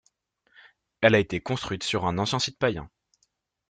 Elle a été construite sur un ancien site païen.